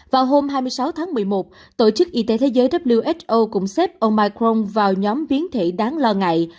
vào hôm hai mươi sáu tháng một mươi một tổ chức y tế thế giới who cũng xếp ông micron vào nhóm biến thể đáng lo ngại